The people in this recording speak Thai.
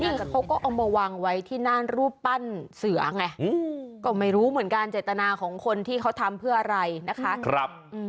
แต่เขาก็เอามาวางไว้ที่หน้ารูปปั้นเสือไงก็ไม่รู้เหมือนกันเจตนาของคนที่เขาทำเพื่ออะไรนะคะ